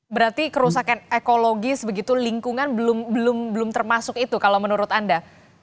berarti kerusakan ekologis begitu lingkungan belum termasuk itu kalau menurut anda